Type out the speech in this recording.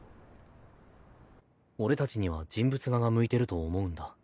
俺たちには人物画が向いてると思うんだ。